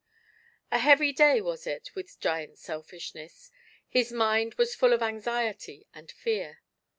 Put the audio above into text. A heavy day was it with Giant Selfishness ; his mind was full of anxiety and fear.